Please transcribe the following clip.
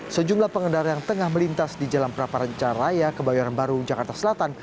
sejumlah pengendara yang tengah melintas di jalan praparanca raya kebayoran baru jakarta selatan